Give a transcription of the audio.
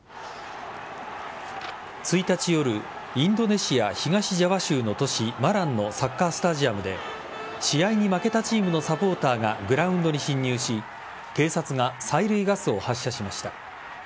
１日夜、インドネシア東ジャワ州の都市・マランのサッカースタジアムで試合に負けたチームのサポーターがグラウンドに侵入し警察が催涙ガスを発射しました。